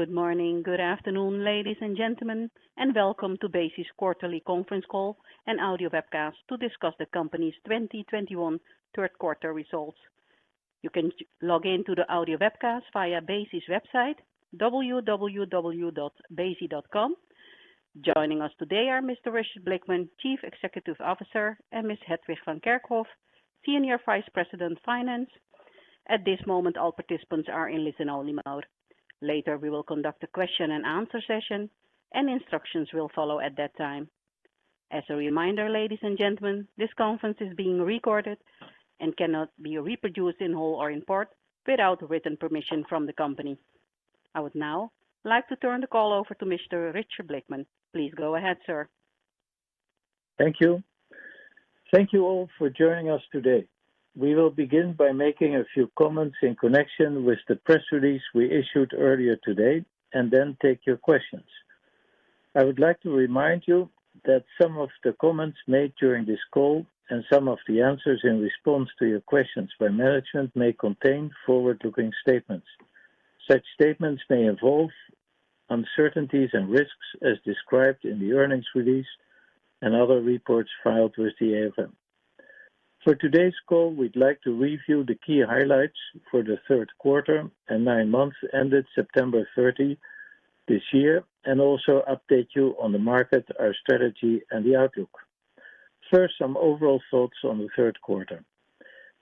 Good morning, good afternoon, ladies and gentlemen, and welcome to BESI's quarterly conference call and audio webcast to discuss the company's 2021 third quarter results. You can log in to the audio webcast via BESI's website, www.besi.com. Joining us today are Mr. Richard Blickman, Chief Executive Officer, and Ms. Hetwig van Kerkhof, Senior Vice President, Finance. At this moment, all participants are in listen-only mode. Later, we will conduct a question-and-answer session and instructions will follow at that time. As a reminder, ladies and gentlemen, this conference is being recorded and cannot be reproduced in whole or in part without written permission from the company. I would now like to turn the call over to Mr. Richard Blickman. Please go ahead, sir. Thank you. Thank you all for joining us today. We will begin by making a few comments in connection with the press release we issued earlier today and then take your questions. I would like to remind you that some of the comments made during this call and some of the answers in response to your questions by management may contain forward-looking statements. Such statements may involve uncertainties and risks as described in the earnings release and other reports filed with the AFM. For today's call, we'd like to review the key highlights for the third quarter and nine months ended September 30 this year and also update you on the market, our strategy, and the outlook. First, some overall thoughts on the third quarter.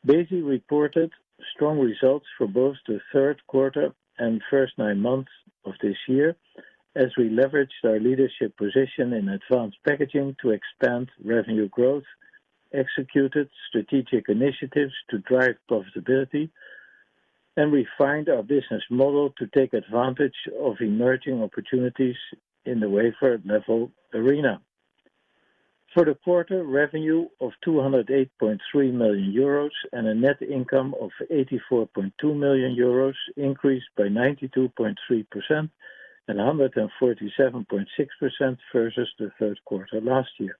BESI reported strong results for both the third quarter and first nine months of this year as we leveraged our leadership position in advanced packaging to expand revenue growth, executed strategic initiatives to drive profitability, and refined our business model to take advantage of emerging opportunities in the wafer-level arena. For the quarter, revenue of 208.3 million euros and a net income of 84.2 million euros increased by 92.3% and 147.6% versus the third quarter last year.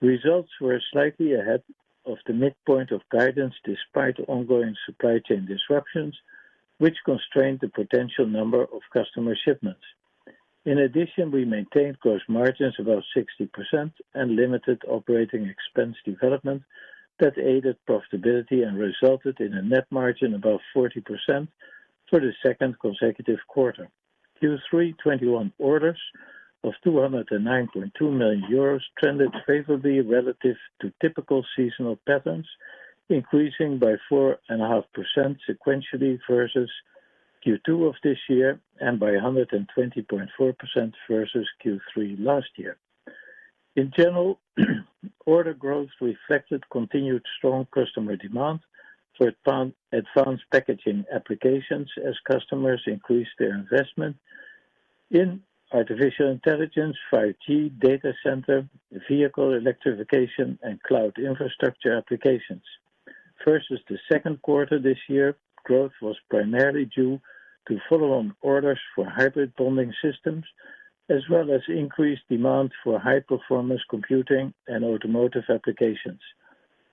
Results were slightly ahead of the midpoint of guidance despite ongoing supply chain disruptions, which constrained the potential number of customer shipments. In addition, we maintained gross margins above 60% and limited operating expense development that aided profitability and resulted in a net margin above 40% for the second consecutive quarter. Q3 2021 orders of 209.2 million euros trended favorably relative to typical seasonal patterns, increasing by 4.5% sequentially versus Q2 of this year and by 120.4% versus Q3 last year. In general, order growth reflected continued strong customer demand for advanced packaging applications as customers increased their investment in artificial intelligence, 5G, data center, vehicle electrification, and cloud infrastructure applications. Versus the second quarter this year, growth was primarily due to follow-on orders for hybrid bonding systems, as well as increased demand for high-performance computing and automotive applications,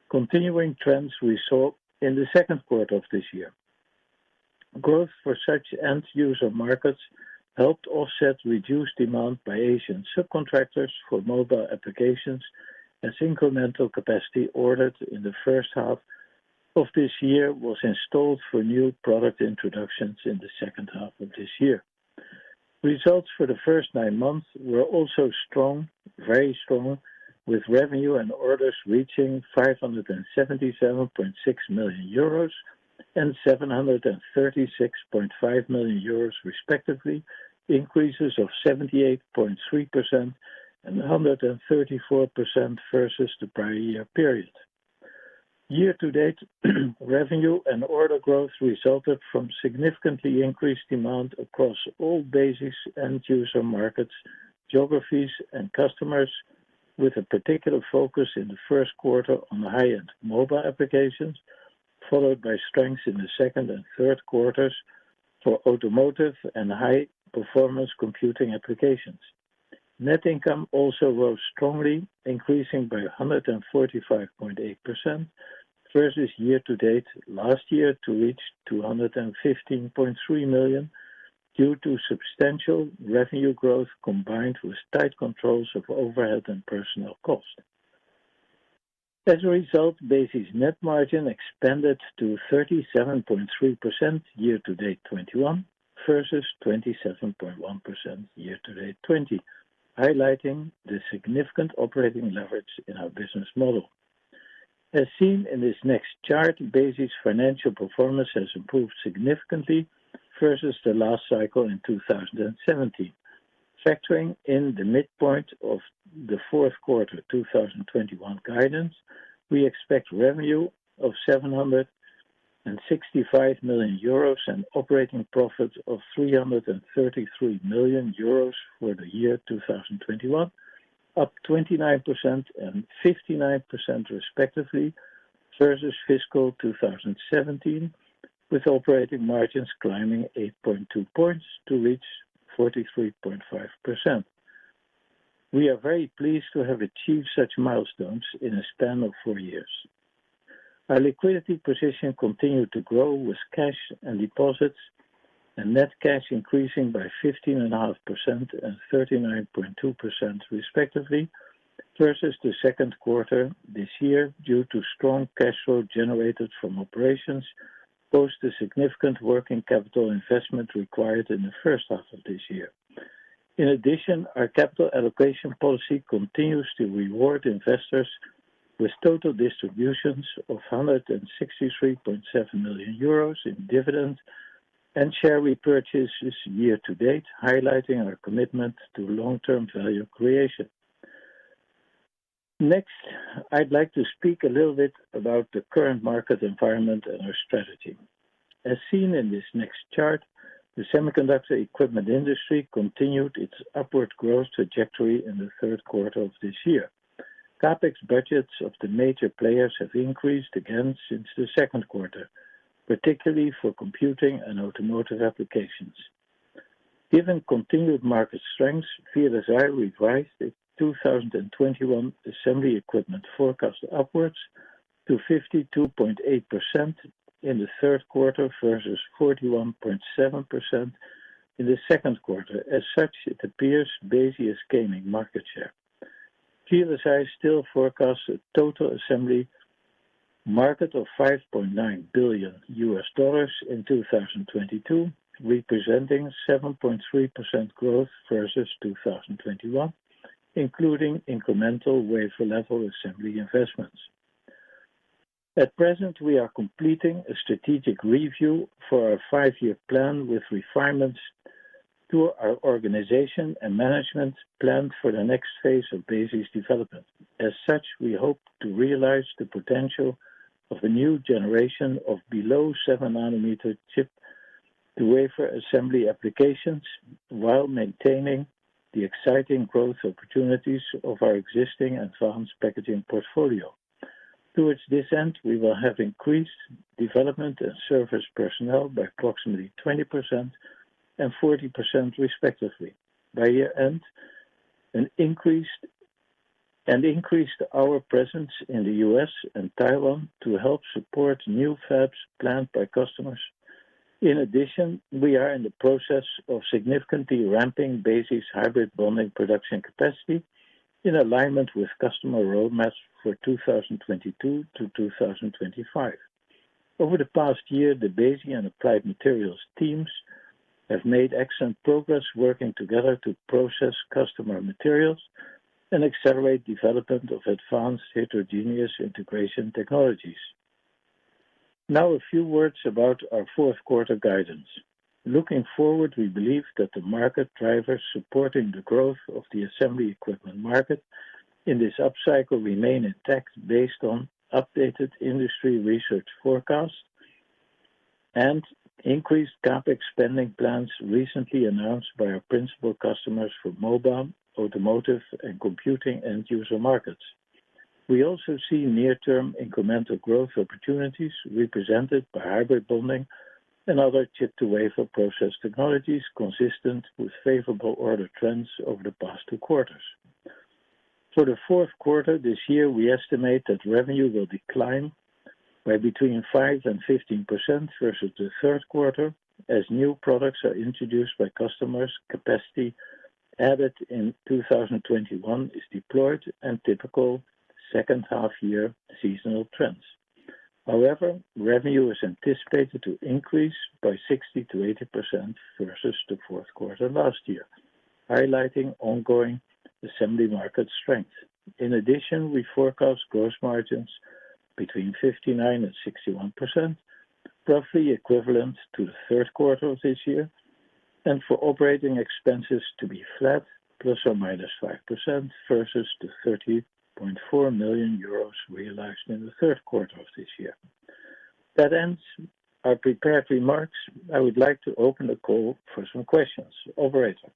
continuing trends we saw in the second quarter of this year. Growth for such end-user markets helped offset reduced demand by Asian subcontractors for mobile applications as incremental capacity ordered in the first half of this year was installed for new product introductions in the second half of this year. Results for the first nine months were also strong, very strong, with revenue and orders reaching 577.6 million euros and 736.5 million euros respectively, increases of 78.3% and 134% versus the prior year period. Year to date, revenue and order growth resulted from significantly increased demand across all BESI's end-user markets, geographies, and customers, with a particular focus in the first quarter on high-end mobile applications, followed by strengths in the second and third quarters for automotive and high-performance computing applications. Net income also rose strongly, increasing by 145.8% versus year to date last year to reach 215.3 million due to substantial revenue growth combined with tight controls of overhead and personnel costs. As a result, BESI's net margin expanded to 37.3% year to date 2021 versus 27.1% year to date 2020, highlighting the significant operating leverage in our business model. As seen in this next chart, BESI's financial performance has improved significantly versus the last cycle in 2017. Factoring in the midpoint of the fourth quarter 2021 guidance, we expect revenue of 765 million euros and operating profits of 333 million euros for the year 2021, up 29% and 59% respectively versus fiscal 2017, with operating margins climbing 8.2 points to reach 43.5%. We are very pleased to have achieved such milestones in a span of four years. Our liquidity position continued to grow with cash and deposits, and net cash increasing by 15.5% and 39.2% respectively, versus the second quarter this year, due to strong cash flow generated from operations, post a significant working capital investment required in the first half of this year. In addition, our capital allocation policy continues to reward investors with total distributions of 163.7 million euros in dividends and share repurchases year to date, highlighting our commitment to long-term value creation. Next, I'd like to speak a little bit about the current market environment and our strategy. As seen in this next chart, the semiconductor equipment industry continued its upward growth trajectory in the third quarter of this year. CapEx budgets of the major players have increased again since the second quarter, particularly for computing and automotive applications. Given continued market strengths, VLSI revised its 2021 assembly equipment forecast upwards to 52.8% in the third quarter versus 41.7% in the second quarter. As such, it appears BESI is gaining market share. VLSI still forecasts a total assembly market of $5.9 billion in 2022, representing 7.3% growth versus 2021, including incremental wafer level assembly investments. At present, we are completing a strategic review for our five-year plan with refinements to our organization and management plan for the next phase of BESI's development. As such, we hope to realize the potential of the new generation of below 7 nm chip-to-wafer assembly applications, while maintaining the exciting growth opportunities of our existing advanced packaging portfolio. Towards this end, we will have increased development and service personnel by approximately 20% and 40% respectively by year-end, and increased our presence in the U.S. and Taiwan to help support new fabs planned by customers. In addition, we are in the process of significantly ramping BESI's hybrid bonding production capacity in alignment with customer roadmaps for 2022-2025. Over the past year, the BESI and Applied Materials teams have made excellent progress working together to process customer materials and accelerate development of advanced heterogeneous integration technologies. Now a few words about our fourth quarter guidance. Looking forward, we believe that the market drivers supporting the growth of the assembly equipment market in this upcycle remain intact based on updated industry research forecasts and increased CapEx spending plans recently announced by our principal customers for mobile, automotive, and computing end user markets. We also see near-term incremental growth opportunities represented by hybrid bonding and other chip-to-wafer process technologies consistent with favorable order trends over the past two quarters. For the fourth quarter this year, we estimate that revenue will decline by between 5%-15% versus the third quarter, as new products are introduced by customers, capacity added in 2021 is deployed and typical second half year seasonal trends. However, revenue is anticipated to increase by 60%-80% versus the fourth quarter last year, highlighting ongoing assembly market strength. In addition, we forecast gross margins between 59%-61%, roughly equivalent to the third quarter of this year, and for operating expenses to be flat ±5% versus the 30.4 million euros realized in the third quarter of this year. That ends our prepared remarks. I would like to open the call for some questions. Operator.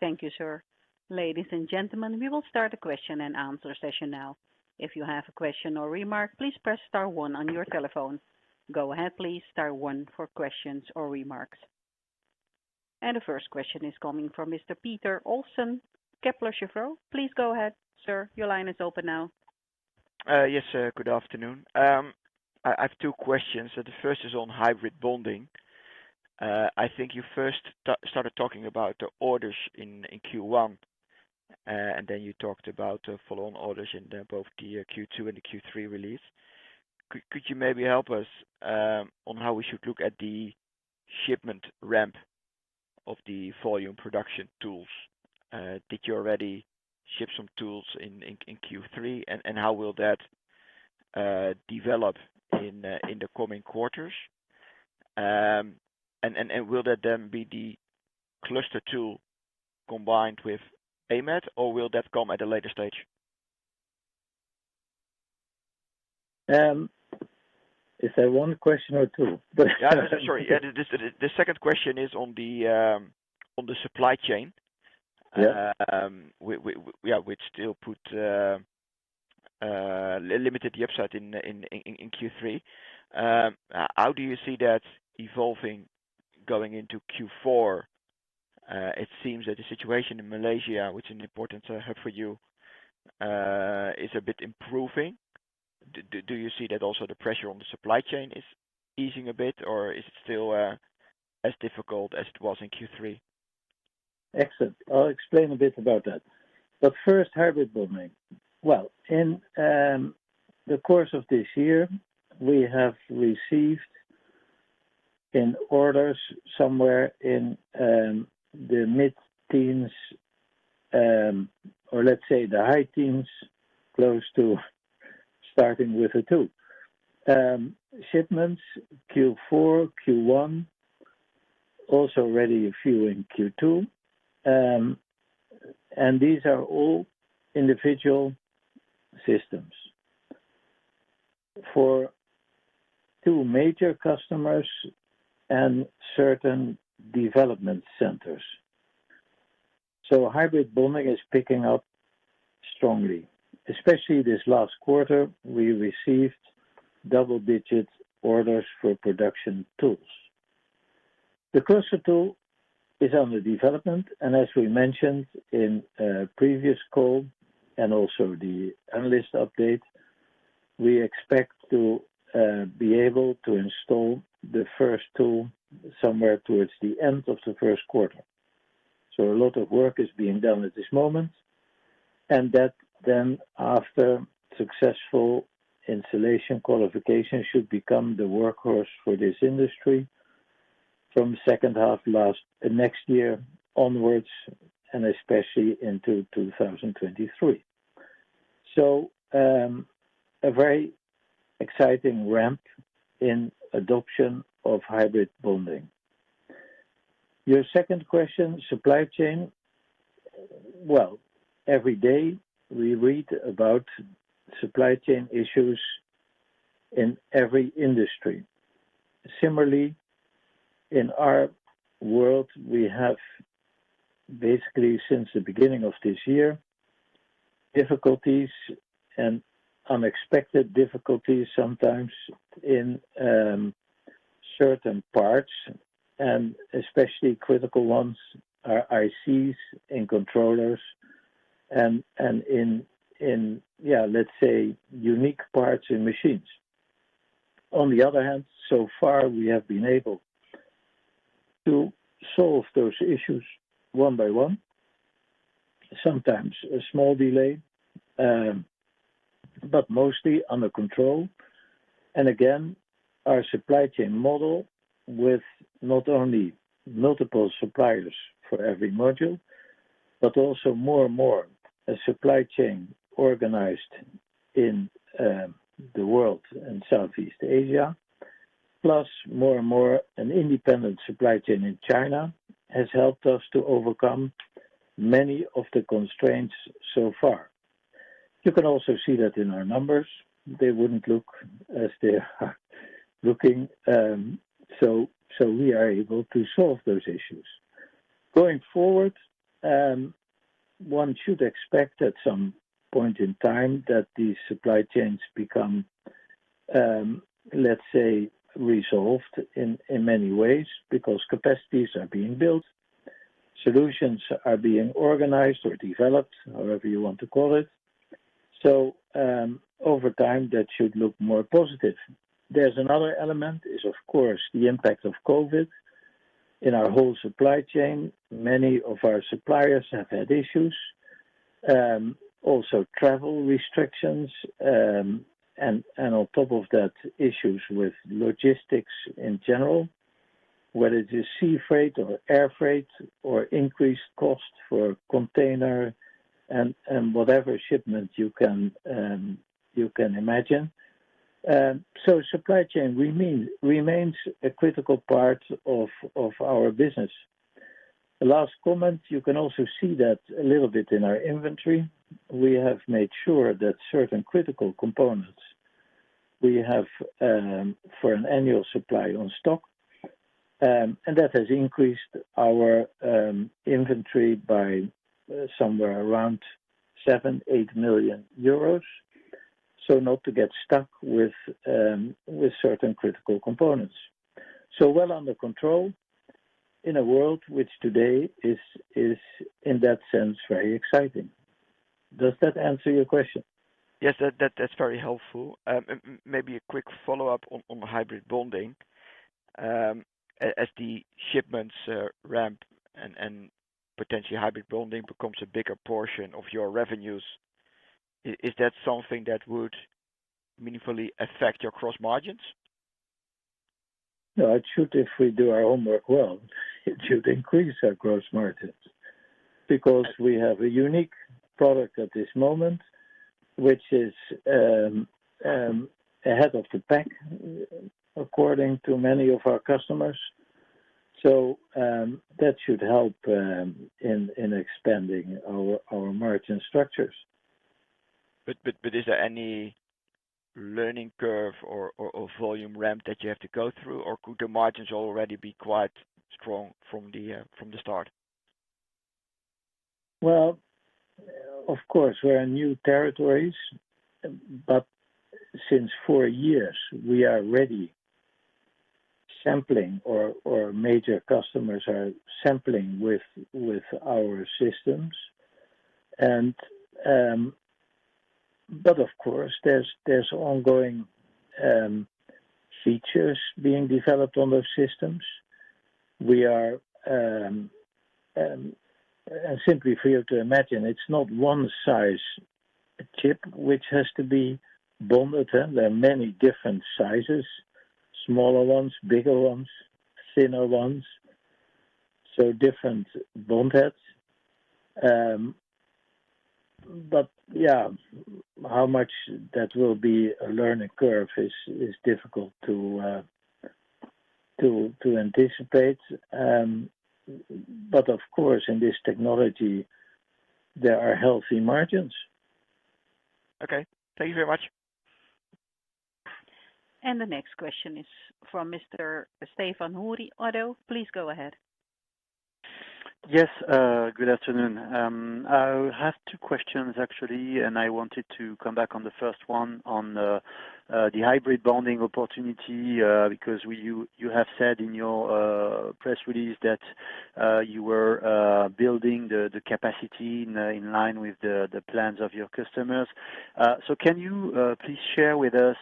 Thank you, sir. Ladies and gentlemen, we will start the question and answer session now. If you have a question or remark, please press star one on your telephone. Go ahead, please. Star one for questions or remarks. The first question is coming from Mr. Peter Olofsen, Kepler Cheuvreux. Please go ahead, sir. Your line is open now. Yes, good afternoon. I have two questions. The first is on hybrid bonding. I think you first started talking about the orders in Q1, and then you talked about the follow on orders in both the Q2 and the Q3 release. Could you maybe help us on how we should look at the shipment ramp of the volume production tools? Did you already ship some tools in Q3? And how will that develop in the coming quarters? And will that then be the cluster tool combined with AMAT, or will that come at a later stage? Is that one question or two? Yeah. Sorry. The second question is on the supply chain. Yeah. Yeah, we still put limited the upside in Q3. How do you see that evolving going into Q4? It seems that the situation in Malaysia, which is important for you, is a bit improving. Do you see that also the pressure on the supply chain is easing a bit, or is it still as difficult as it was in Q3? Excellent. I'll explain a bit about that. First, hybrid bonding. Well, in the course of this year, we have received orders somewhere in the mid-teens, or let's say the high teens, close to starting with a two. Shipments Q4, Q1, also already a few in Q2. These are all individual systems for two major customers and certain development centers. Hybrid bonding is picking up strongly. Especially this last quarter, we received double-digit orders for production tools. The cluster tool is under development, and as we mentioned in a previous call and also the analyst update, we expect to be able to install the first tool somewhere towards the end of the first quarter. A lot of work is being done at this moment, and that then, after successful installation qualification, should become the workhorse for this industry from second half next year onwards, and especially into 2023. A very exciting ramp in adoption of hybrid bonding. Your second question, supply chain. Well, every day, we read about supply chain issues in every industry. Similarly, in our world, we have basically, since the beginning of this year, difficulties and unexpected difficulties sometimes in certain parts, and especially critical ones, our ICs and controllers and in, yeah, let's say, unique parts and machines. On the other hand, so far, we have been able to solve those issues one by one. Sometimes a small delay, but mostly under control. Again, our supply chain model with not only multiple suppliers for every module, but also more and more a supply chain organized in the world and Southeast Asia, plus more and more an independent supply chain in China, has helped us to overcome many of the constraints so far. You can also see that in our numbers, they wouldn't look as they are looking. So we are able to solve those issues. Going forward, one should expect at some point in time that these supply chains become, let's say, resolved in many ways because capacities are being built, solutions are being organized or developed, however you want to call it. Over time, that should look more positive. There's another element, of course, the impact of COVID in our whole supply chain. Many of our suppliers have had issues, also travel restrictions, and on top of that, issues with logistics in general, whether it is sea freight or air freight or increased cost for container and whatever shipment you can imagine. Supply chain remains a critical part of our business. The last comment, you can also see that a little bit in our inventory. We have made sure that certain critical components we have for an annual supply on stock. That has increased our inventory by somewhere around 7 million-8 million euros, so not to get stuck with certain critical components. Well under control in a world which today is in that sense very exciting. Does that answer your question? Yes. That's very helpful. Maybe a quick follow-up on the hybrid bonding. As the shipments ramp and potentially hybrid bonding becomes a bigger portion of your revenues, is that something that would meaningfully affect your gross margins? No. It should, if we do our homework well, it should increase our gross margins because we have a unique product at this moment, which is ahead of the pack according to many of our customers. That should help in expanding our margin structures. Is there any learning curve or volume ramp that you have to go through, or could the margins already be quite strong from the start? Well, of course, we are in new territories, but since four years, we are ready. Major customers are sampling with our systems. Of course, there's ongoing features being developed on those systems. Simply for you to imagine, it's not one size chip which has to be bonded. There are many different sizes, smaller ones, bigger ones, thinner ones, so different bond heads. Yeah, how much that will be a learning curve is difficult to anticipate. Of course, in this technology, there are healthy margins. Okay. Thank you very much. The next question is from Mr. Stéphane Houri, Oddo. Please go ahead. Yes, good afternoon. I have two questions actually, and I wanted to come back on the first one on the hybrid bonding opportunity, because you have said in your press release that you were building the capacity in line with the plans of your customers. Can you please share with us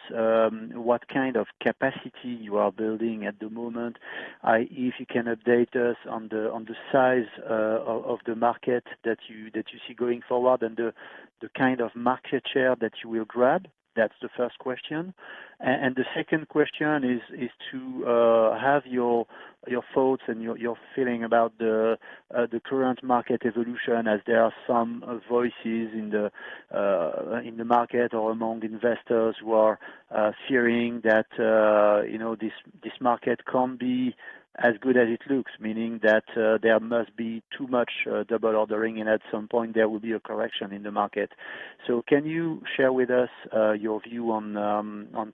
what kind of capacity you are building at the moment, i.e., if you can update us on the size of the market that you see going forward and the kind of market share that you will grab? That's the first question. The second question is to have your thoughts and your feeling about the current market evolution as there are some voices in the market or among investors who are fearing that you know this market can't be as good as it looks. Meaning that there must be too much double ordering, and at some point there will be a correction in the market. Can you share with us your view on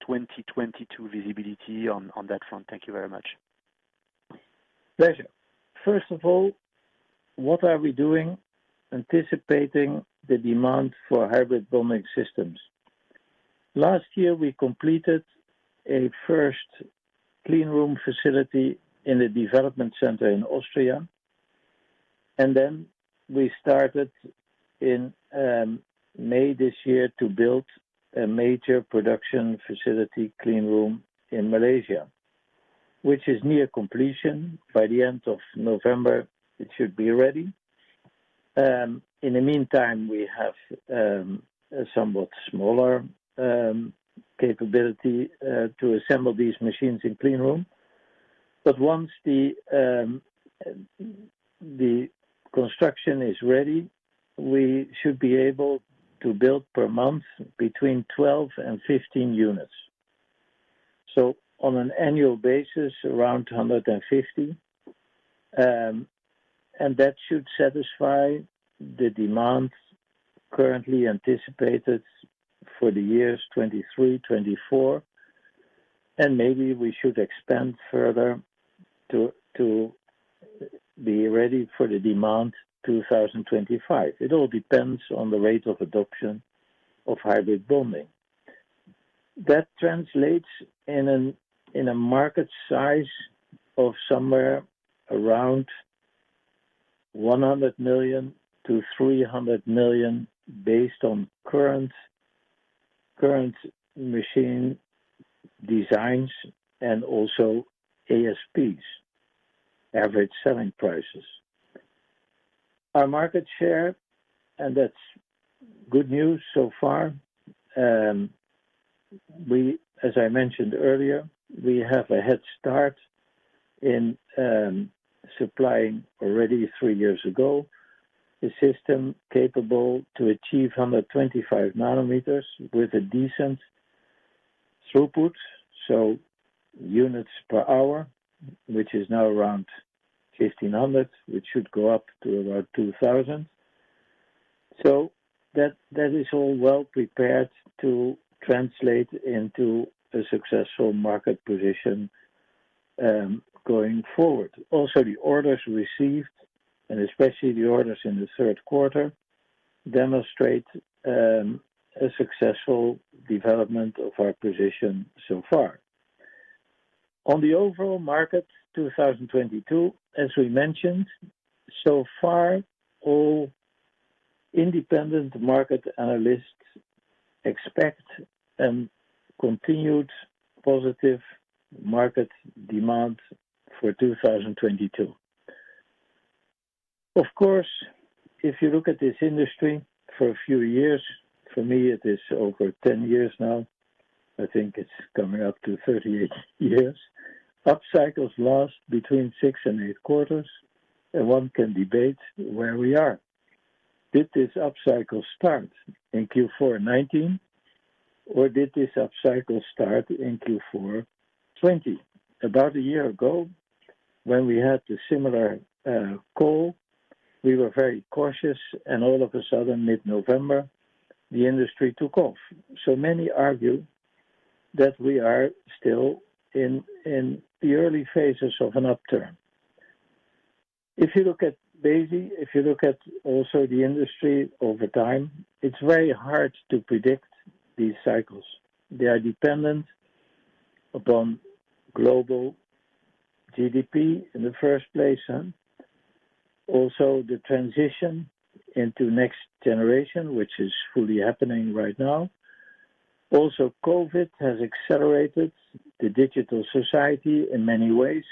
2022 visibility on that front? Thank you very much. Pleasure. First of all, what are we doing anticipating the demand for hybrid bonding systems? Last year, we completed a first clean room facility in the development center in Austria, and then we started in May this year to build a major production facility clean room in Malaysia, which is near completion. By the end of November, it should be ready. In the meantime, we have a somewhat smaller capability to assemble these machines in clean room. Once the construction is ready, we should be able to build per month between 12 and 15 units. On an annual basis, around 150. That should satisfy the demands currently anticipated for the years 2023, 2024, and maybe we should expand further to be ready for the demand 2025. It all depends on the rate of adoption of hybrid bonding. That translates in a market size of somewhere around 100 million-300 million based on current machine designs and also ASPs, average selling prices. Our market share, and that's good news so far, as I mentioned earlier, we have a head start in supplying already three years ago, a system capable to achieve 125 nanometers with a decent throughput. Units per hour, which is now around 1,500, which should go up to about 2,000. That is all well-prepared to translate into a successful market position going forward. Also, the orders received, and especially the orders in the third quarter, demonstrate a successful development of our position so far. On the overall market, 2022, as we mentioned, so far, all independent market analysts expect continued positive market demand for 2022. Of course, if you look at this industry for a few years, for me it is over 10 years now, I think it's coming up to 38 years, upcycles last between 6 and 8 quarters, and one can debate where we are. Did this upcycle start in Q4 2019, or did this upcycle start in Q4 2020? About a year ago, when we had a similar call, we were very cautious, and all of a sudden, mid-November, the industry took off. Many argue that we are still in the early phases of an upturn. If you look at BESI, if you look at also the industry over time, it's very hard to predict these cycles. They are dependent upon global GDP in the first place, and also the transition into next generation, which is fully happening right now. Also, COVID has accelerated the digital society in many ways,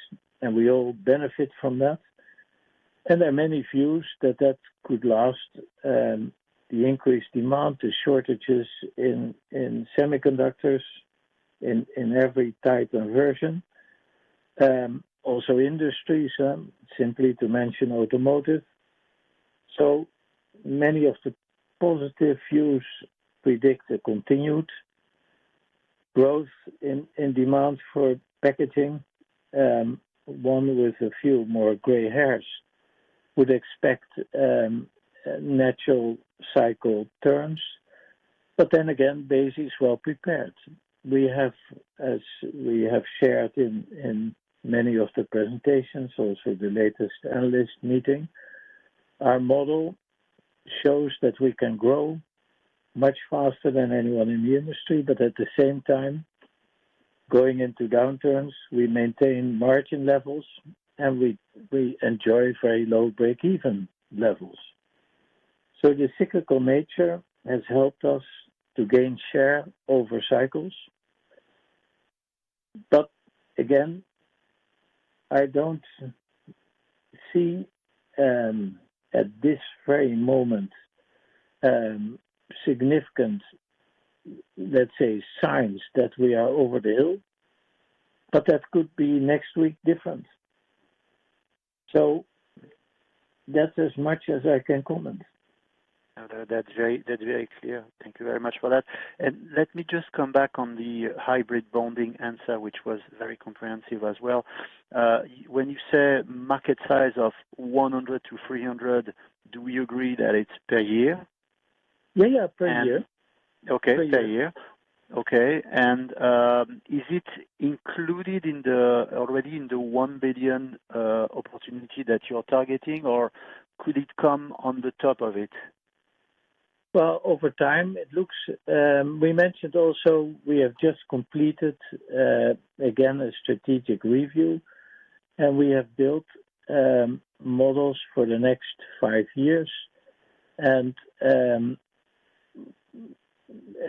and we all benefit from that. There are many views that could last, the increased demand, the shortages in semiconductors in every type and version, also industries, simply to mention automotive. Many of the positive views predict a continued growth in demand for packaging. One with a few more gray hairs would expect natural cycle turns. Then again, BESI is well prepared. As we have shared in many of the presentations, also the latest analyst meeting, our model shows that we can grow much faster than anyone in the industry, but at the same time, going into downturns, we maintain margin levels and we enjoy very low break-even levels. The cyclical nature has helped us to gain share over cycles. Again, I don't see at this very moment significant, let's say, signs that we are over the hill, but that could be next week different. That's as much as I can comment. No, that's very clear. Thank you very much for that. Let me just come back on the hybrid bonding answer, which was very comprehensive as well. When you say market size of 100 million-300, do we agree that it's per year? Yeah, yeah, per year. Okay. Per year. Okay. Is it included already in the 1 billion opportunity that you're targeting, or could it come on top of it? We mentioned also we have just completed, again, a strategic review, and we have built models for the next five years.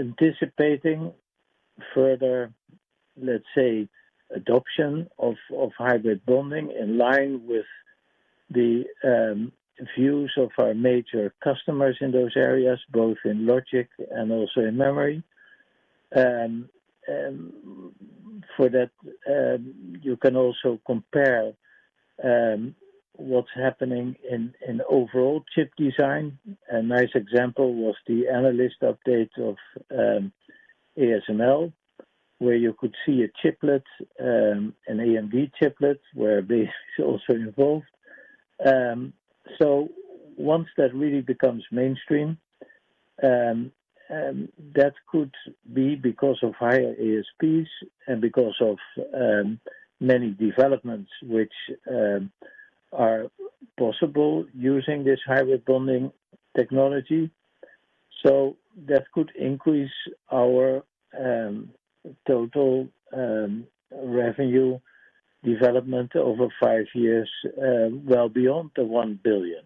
Anticipating further, let's say, adoption of hybrid bonding in line with the views of our major customers in those areas, both in logic and also in memory. For that, you can also compare what's happening in overall chip design. A nice example was the analyst update of ASML, where you could see a chiplet, an AMD chiplet, where BESI is also involved. Once that really becomes mainstream, that could be because of higher ASPs and because of many developments which are possible using this hybrid bonding technology. That could increase our total revenue development over five years well beyond the $1 billion.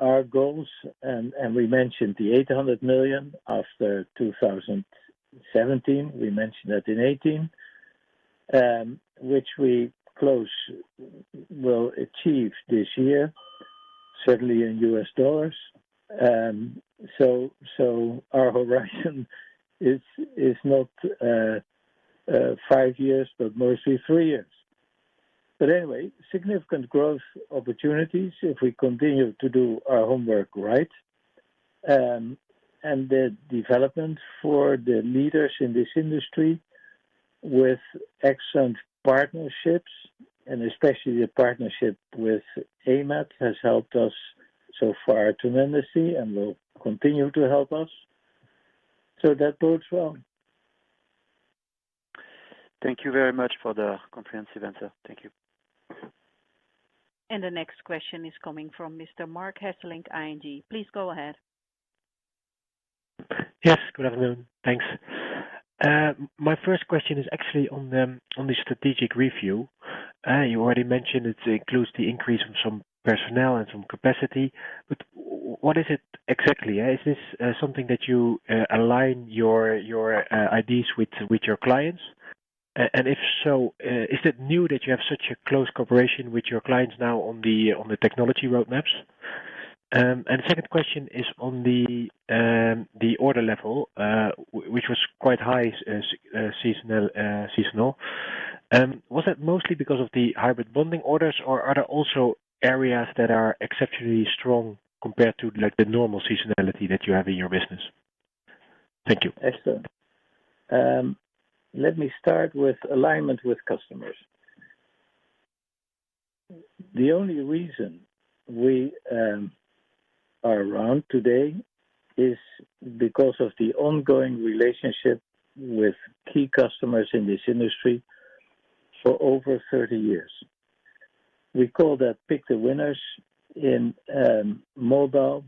Our goals, and we mentioned the $800 million after 2017 in 2018, which we will achieve this year, certainly in U.S. dollars. Our horizon is not five years, but mostly three years. Anyway, significant growth opportunities if we continue to do our homework right. The development for the leaders in this industry with excellent partnerships, and especially the partnership with AMAT, has helped us so far tremendously and will continue to help us. That bodes well. Thank you very much for the comprehensive answer. Thank you. The next question is coming from Mr. Marc Hesselink, ING. Please go ahead. Yes. Good afternoon. Thanks. My first question is actually on the strategic review. You already mentioned it includes the increase of some personnel and some capacity, but what is it exactly? Is this something that you align your ideas with your clients? If so, is it new that you have such a close cooperation with your clients now on the technology roadmaps? Second question is on the order level, which was quite high, seasonal. Was it mostly because of the hybrid bonding orders or are there also areas that are exceptionally strong compared to like the normal seasonality that you have in your business? Thank you. Excellent. Let me start with alignment with customers. The only reason we are around today is because of the ongoing relationship with key customers in this industry for over 30 years. We call that pick the winners in mobile,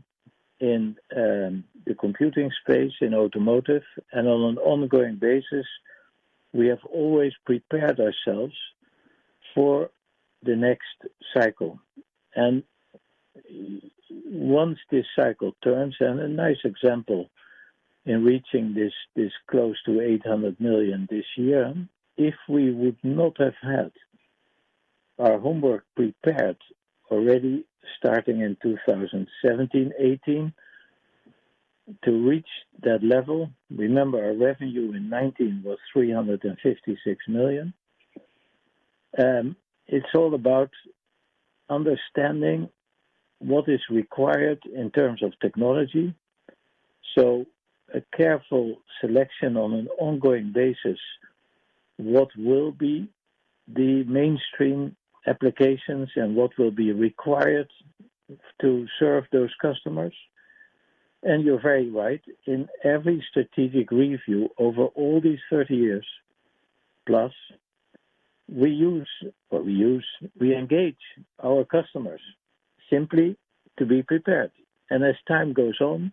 in the computing space, in automotive, and on an ongoing basis, we have always prepared ourselves for the next cycle. Once this cycle turns, and a nice example in reaching this close to €800 million this year, if we would not have had our homework prepared already starting in 2017, 2018 to reach that level. Remember, our revenue in 2019 was €356 million. It's all about understanding what is required in terms of technology. A careful selection on an ongoing basis, what will be the mainstream applications and what will be required to serve those customers. You're very right. In every strategic review over all these 30 years plus, we engage our customers simply to be prepared. As time goes on,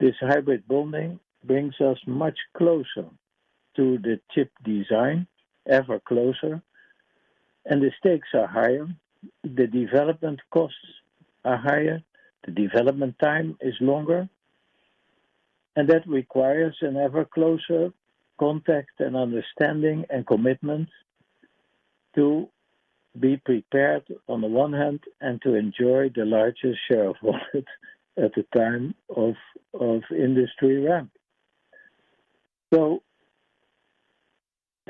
this hybrid bonding brings us much closer to the chip design, ever closer, and the stakes are higher, the development costs are higher, the development time is longer. That requires an ever closer contact and understanding and commitment to be prepared on the one hand and to enjoy the largest share of wallet at the time of industry ramp.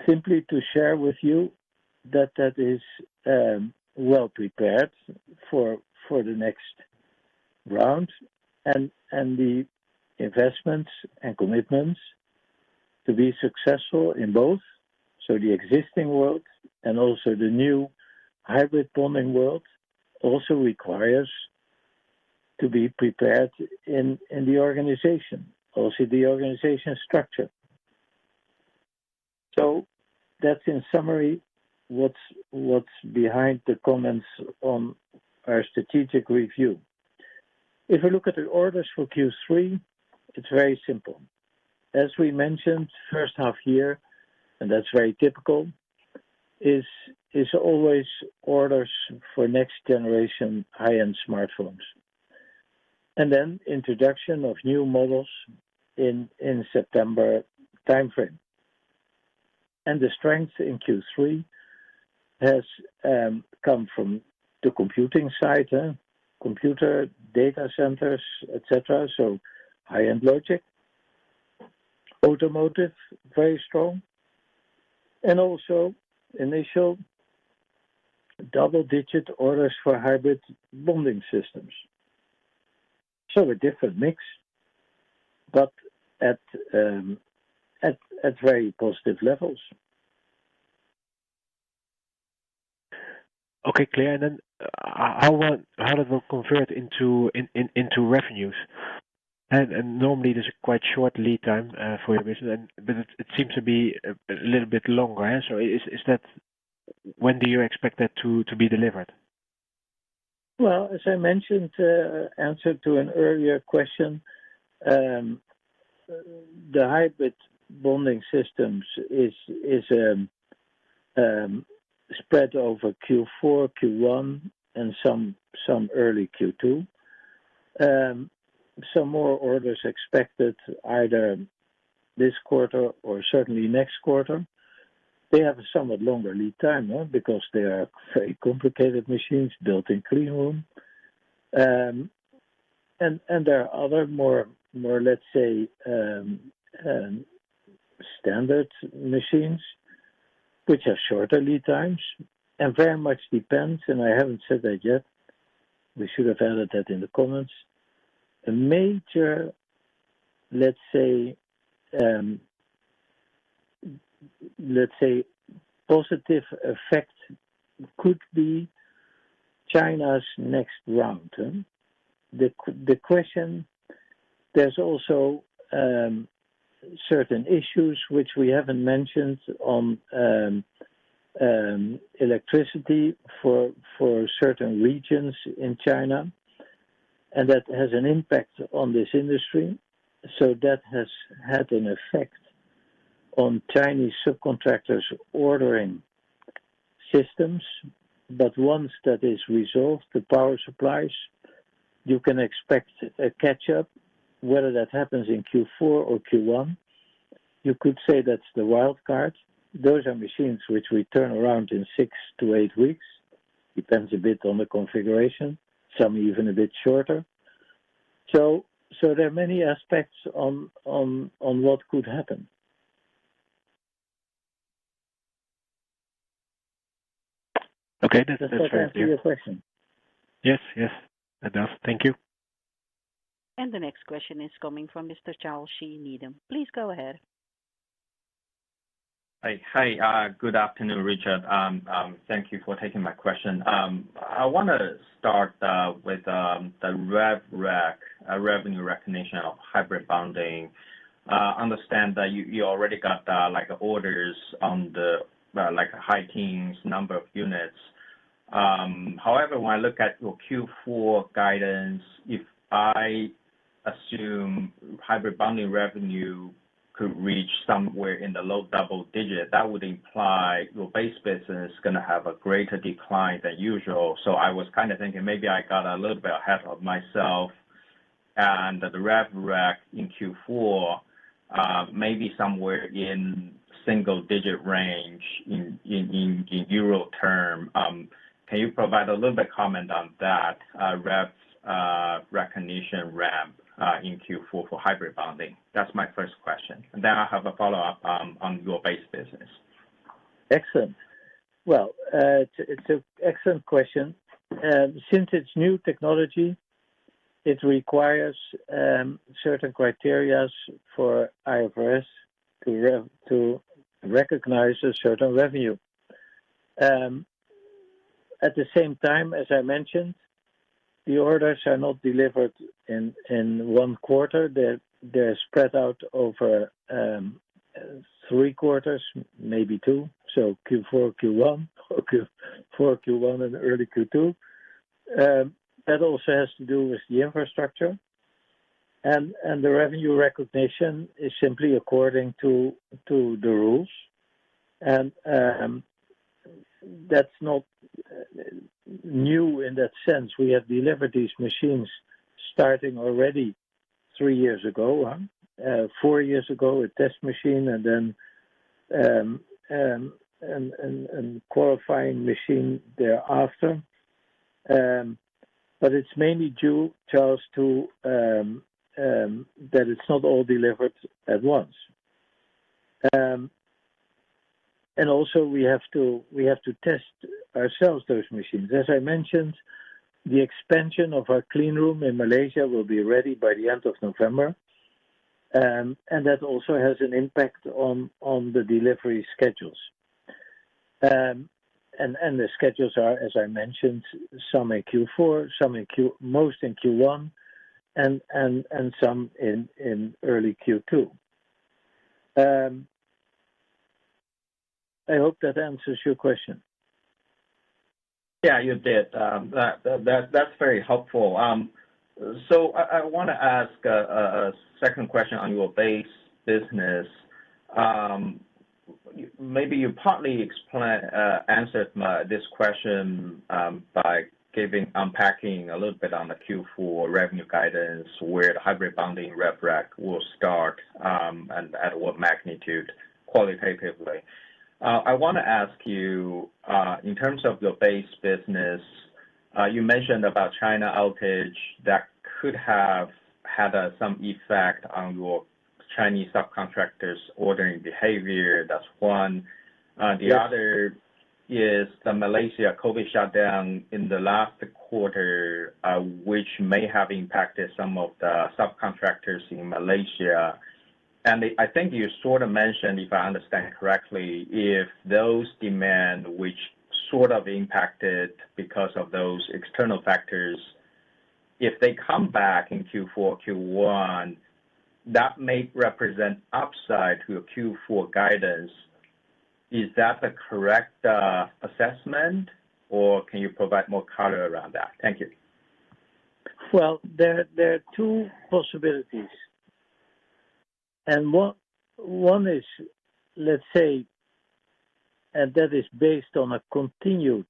Simply to share with you that is well prepared for the next round and the investments and commitments to be successful in both. The existing world and also the new hybrid bonding world requires to be prepared in the organization, the organization structure. That's in summary what's behind the comments on our strategic review. If we look at the orders for Q3, it's very simple. As we mentioned, first half year, and that's very typical, is always orders for next generation high-end smartphones. Then introduction of new models in September timeframe. The strength in Q3 has come from the computing side, computer data centers, etc. High-end logic. Automotive, very strong, and also initial double-digit orders for hybrid bonding systems. A different mix, but at very positive levels. Okay, clear. Then how will it convert into revenues? Normally, there's a quite short lead time for your business, but it seems to be a little bit longer. Is that when you expect that to be delivered? Well, as I mentioned, answer to an earlier question, the hybrid bonding systems is spread over Q4, Q1, and some early Q2. Some more orders expected either this quarter or certainly next quarter. They have a somewhat longer lead time, because they are very complicated machines built in clean room. There are other more, let's say, standard machines which have shorter lead times, and very much depends, and I haven't said that yet. We should have added that in the comments. A major, let's say, positive effect could be China's next round. The question, there's also certain issues which we haven't mentioned on electricity for certain regions in China, and that has an impact on this industry. that has had an effect on Chinese subcontractors ordering systems. Once that is resolved, the power supplies, you can expect a catch up, whether that happens in Q4 or Q1. You could say that's the wild card. Those are machines which we turn around in six to eight weeks. Depends a bit on the configuration, some even a bit shorter. There are many aspects on what could happen. Okay. That's fair. Thank you. Does that answer your question? Yes. Yes, it does. Thank you. The next question is coming from Mr. Charles Shi. Please go ahead. Hey, hi. Good afternoon, Richard. Thank you for taking my question. I wanna start with the rev rec, revenue recognition of hybrid bonding. I understand that you already got the like orders on the like high teens number of units. However, when I look at your Q4 guidance, if I assume hybrid bonding revenue could reach somewhere in the low double digit, that would imply your base business is gonna have a greater decline than usual. I was kinda thinking maybe I got a little bit ahead of myself, and the rev rec in Q4 may be somewhere in single digit range in euro term. Can you provide a little bit comment on that rev recognition ramp in Q4 for hybrid bonding? That's my first question. I have a follow-up on your base business. It's an excellent question. Since it's new technology, it requires certain criteria for IFRS to recognize a certain revenue. At the same time, as I mentioned, the orders are not delivered in one quarter. They're spread out over three quarters, maybe two, so Q4, Q1, and early Q2. That also has to do with the infrastructure. The revenue recognition is simply according to the rules. That's not new in that sense. We have delivered these machines starting already three years ago. Four years ago, a test machine and then a qualifying machine thereafter. But it's mainly due, Charles, to that it's not all delivered at once. We have to test those machines ourselves. As I mentioned, the expansion of our clean room in Malaysia will be ready by the end of November, and that also has an impact on the delivery schedules. The schedules are, as I mentioned, some in Q4, most in Q1, and some in early Q2. I hope that answers your question. Yeah, you did. That's very helpful. I wanna ask a second question on your base business. Maybe you partly answered my question by unpacking a little bit on the Q4 revenue guidance, where the hybrid bonding rev rec will start and at what magnitude qualitatively. I wanna ask you, in terms of your base business, you mentioned about China outage that could have had some effect on your Chinese subcontractors' ordering behavior. That's one. Yeah. The other is the Malaysia COVID shutdown in the last quarter, which may have impacted some of the subcontractors in Malaysia. I think you sort of mentioned, if I understand correctly, if those demand which sort of impacted because of those external factors, if they come back in Q4, Q1, that may represent upside to your Q4 guidance. Is that a correct assessment, or can you provide more color around that? Thank you. Well, there are two possibilities. One is, let's say, and that is based on a continued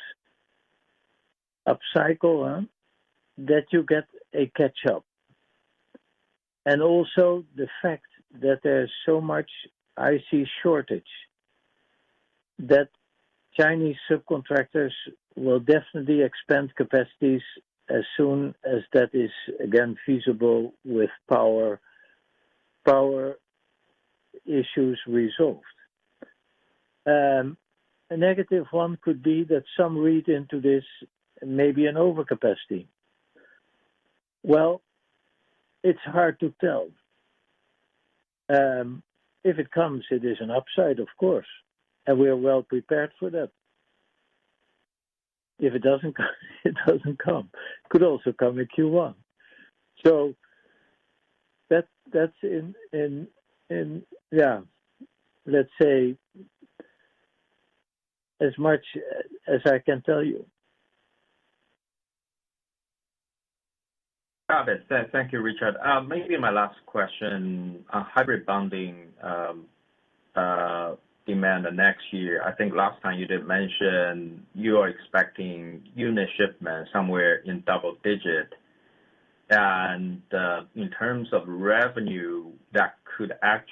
upcycle that you get a catch-up. Also the fact that there's so much IC shortage that Chinese subcontractors will definitely expand capacities as soon as that is again feasible with power issues resolved. A negative one could be that some read into this may be an overcapacity. Well, it's hard to tell. If it comes, it is an upside, of course, and we're well prepared for that. If it doesn't come, it doesn't come. Could also come in Q1. That's, yeah, let's say, as much as I can tell you. Got it. Thank you, Richard. Maybe my last question on hybrid bonding, demand the next year. I think last time you did mention you are expecting unit shipment somewhere in double digit. In terms of revenue that could acc-